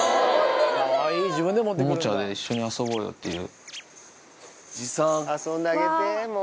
おもちゃで一緒に遊ぼうよっていう。